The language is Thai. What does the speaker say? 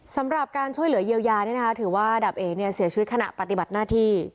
สำหรับการช่วยเหลือเยียวยาถือว่าดาบเอ๋เนี่ยเสียชีวิตขณะปฏิบัติหน้าที่